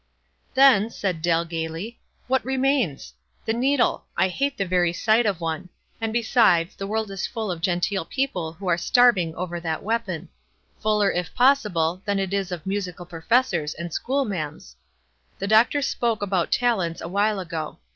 "Then," said Dell, gayly, "what remains? The needle ! I hate the very sight of one ; and, besides, the world is full of genteel people who are starving over that weapon — fuller, if pos sible, than it is of musical professors and school ma'ams. The doctor spoke about talents awhile ago.